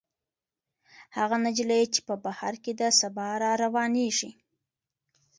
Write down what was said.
هغه نجلۍ چې په بهر کې ده، سبا راروانېږي.